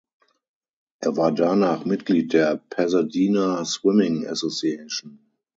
Er war danach Mitglied der "Pasadena Swimming Association".